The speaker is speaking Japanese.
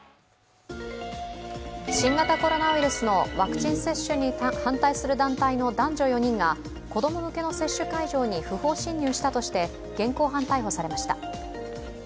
新型コロナウイルスのワクチン接種に反対する団体の男女４人が男女４人が子供向けの接種会場に不法侵入したとして現行犯逮捕されました。